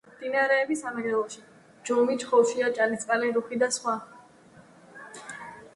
მდინარეები სამგრელოში ჯუმი, ჩხოუში, ჭანისწყალი, რუხი და სხვა.